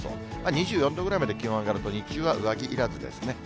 ２４度ぐらいまで気温上がると、日中は上着いらずですね。